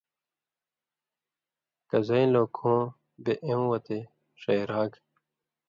کہ زَیں لُوکھُوں، بے اېوں وتے ݜَئراگ،